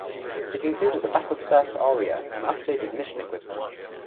It included a battlestaff area and updated mission equipment.